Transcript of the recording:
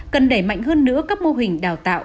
cần đẩy mạnh hơn nữa các mô hình đào tạo